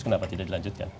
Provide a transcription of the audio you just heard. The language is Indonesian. kenapa tidak dilanjutkan